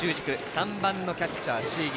３番のキャッチャー、椎木。